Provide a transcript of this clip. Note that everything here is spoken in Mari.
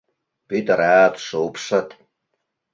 Пӱтырат, шупшыт.